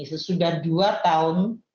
sesudah dua tahun